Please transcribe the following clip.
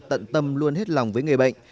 tận tâm luôn hết lòng với người bệnh